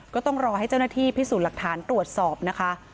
ก็ต้องรอให้เจ้าหน้าที่พิสูจน์หลักฐานตรวจสอบนะคะ